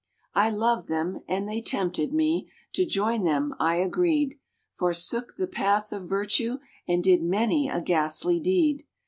I loved them and they tempted me. To join them I agreed, Forsook the path of virtue, and did many a ghastly deed.